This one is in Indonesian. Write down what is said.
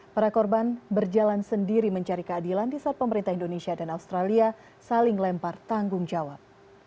para korban berjalan sendiri mencari keadilan di saat pemerintah indonesia dan australia saling lempar tanggung jawab